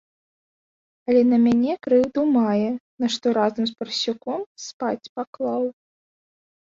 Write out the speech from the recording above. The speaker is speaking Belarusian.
Але на мяне крыўду мае, нашто разам з парсюком спаць паклаў.